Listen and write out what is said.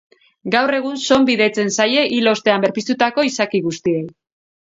Gaur egun, zonbi deitzen zaie hil ostean berpiztutako izaki guztiei.